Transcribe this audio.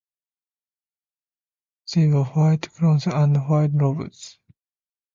They wear white crowns and white robes.